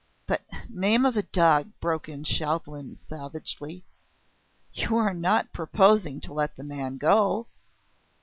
"But, name of a dog!" broke in Chauvelin savagely. "You are not proposing to let the man go?"